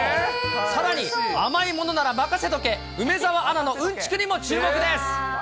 さらに、甘いものなら任せておけ、梅澤アナのうんちくにも注目です。